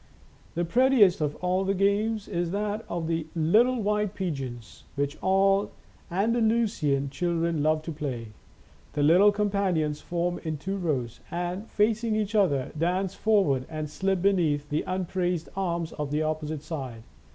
The prettiest of all the games is that of the " Little White Pigeons," which all Andalusian children love to play. The little companions form in two rows, and, facing each other, dance forward and slip beneath the upraised arms of the opposite side.